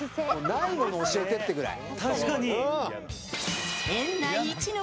ないもの教えてってぐらい。